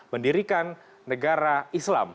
mendirikan negara islam